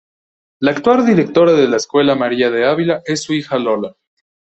La actual directora de la escuela María de Ávila es su hija Lola.